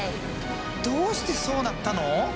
どうしてそうなったの！？